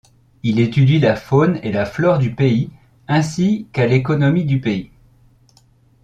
Il étudie la faune et la flore du pays ainsi qu'à l'économie du pays.